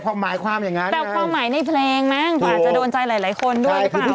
เรียกว่าเป็นที่หนึ่งที่